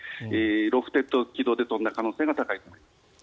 ロフテッド軌道で飛んだ可能性が高いと思います。